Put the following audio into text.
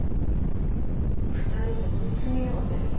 ２人でむつみ合うてみよ。